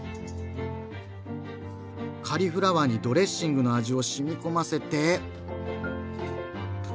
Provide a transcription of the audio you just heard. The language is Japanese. カリフラワーにドレッシングの味をしみこませて。